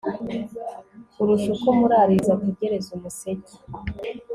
kurusha uko umuraririzi ategereza umuseke